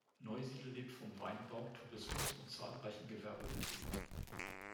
Neusiedl lebt von Weinbau, Tourismus und zahlreichen Gewerbebetrieben.